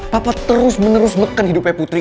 papa terus menerus menekan hidupnya putri